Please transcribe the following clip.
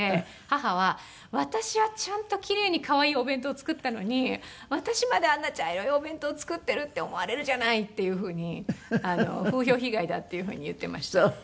母は「私はちゃんと奇麗に可愛いお弁当作ったのに私まであんな茶色いお弁当作っているって思われるじゃない」っていうふうに風評被害だっていうふうに言っていました。